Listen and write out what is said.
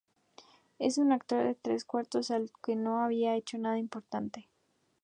Era un actor de tres al cuarto que no había hecho nada importante